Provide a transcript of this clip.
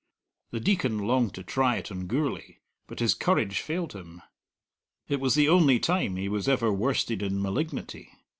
The Deacon longed to try it on Gourlay. But his courage failed him. It was the only time he was ever worsted in malignity.